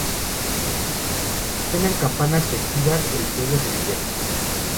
Suenan campanas festivas, el pueblo se divierte.